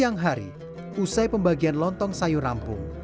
siang hari usai pembagian lontong sayur rampung